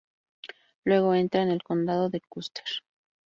Luego entra en el Condado de Custer.